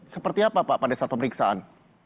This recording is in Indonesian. seperti apa pak pada saat pemeriksaan